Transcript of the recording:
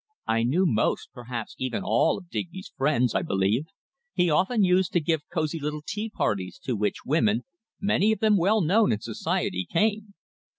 I knew most, perhaps even all, of Digby's friends, I believed. He often used to give cosy little tea parties, to which women many of them well known in society came.